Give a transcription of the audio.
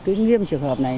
cái nghiêm trường hợp này